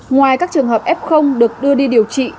ngoài các trường hợp f được đưa đi điều trị